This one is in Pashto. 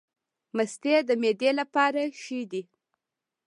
مستې د معدې لپاره ښې دي